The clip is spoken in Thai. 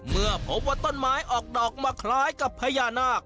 เมื่อพบว่าต้นไม้ออกดอกมาคล้ายกับพญานาค